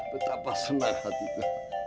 betapa senang hatiku